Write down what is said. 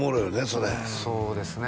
それそうですね